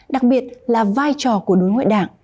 đặc biệt là vai trò của đối ngoại đảng